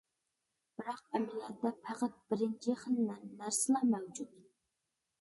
بىراق، ئەمەلىيەتتە پەقەت بىرىنچى خىل نەرسىلا مەۋجۇت.